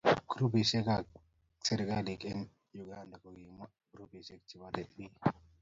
Grupit ak askarik eng Uganda kokiuma grupishek che bare bik.